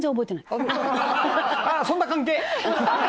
ああそんな関係。